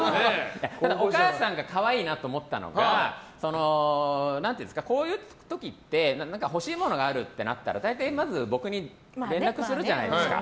ただ、お母さんが可愛いなと思ったのがこういう時って欲しいものがあるってなったら大体、まず僕に連絡するじゃないですか。